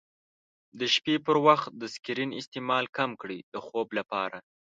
د شپې پر وخت د سکرین استعمال کم کړئ د خوب لپاره.